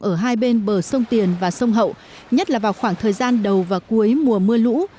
ở hai bên bờ sông tiền và sông hậu nhất là vào khoảng thời gian đầu và cuối mùa mưa lũ